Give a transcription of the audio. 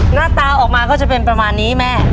หน้าตาออกมาก็จะเป็นประมาณนี้แม่